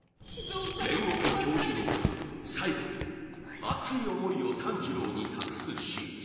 煉獄杏寿郎が最期に熱い思いを炭治郎に託すシーン